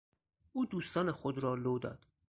او دوستان خود را لو داد.